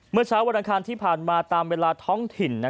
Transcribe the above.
เมื่อเช้าวันอังคารที่ผ่านมาตามเวลาท้องถิ่น